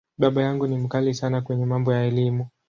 Baba yangu ni ‘mkali’ sana kwenye mambo ya Elimu.